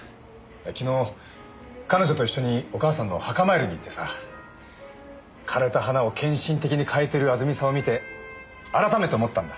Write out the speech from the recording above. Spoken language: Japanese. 昨日彼女と一緒にお母さんの墓参りに行ってさ枯れた花を献身的に換えてるあずみさんを見て改めて思ったんだ。